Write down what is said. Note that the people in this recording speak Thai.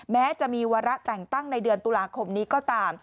แม้จะมีวาระแต่งตั้งในเดือนตุลาคมนี้ก็ตาม